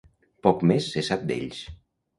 Poc més se sap d'ells.